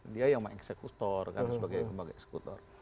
dia yang eksekutor sebagai lembaga eksekutor